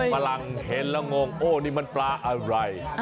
ฝรั่งเห็นแล้วงงโอ้นี่มันปลาอะไร